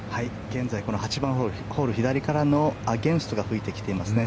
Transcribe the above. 現在８番ホール左からのアゲンストが吹いてきていますね。